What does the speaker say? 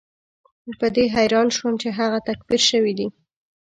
په دې حیران شوم چې هغه تکفیر شوی دی.